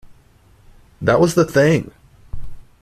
That was the thing.